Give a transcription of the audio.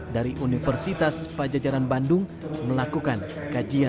dari universitas pajajaran bandung melakukan kajian